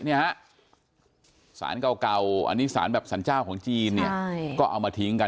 เนี่ยฮะสารเก่าอันนี้สารแบบสารเจ้าของจีนเนี่ยก็เอามาทิ้งกัน